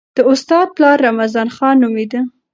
د استاد پلار رمضان خان نومېده.